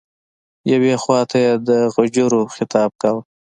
یوې خواته یې د غجرو خطاب کاوه.